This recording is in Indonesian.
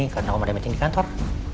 karena om ada meeting di kantor